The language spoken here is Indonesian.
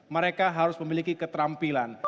mereka harus memiliki keterampilan